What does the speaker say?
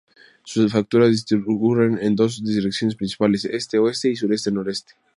Sus fracturas discurren en dos direcciones principales: este-oeste, y sureste-noroeste.